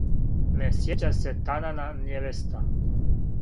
Не сјећа се танана невјеста,